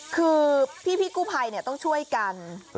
คือพี่พี่กู้ภัยเนี่ยต้องช่วยกัน